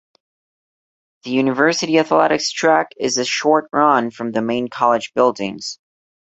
The university athletics track is a short run from the main college buildings.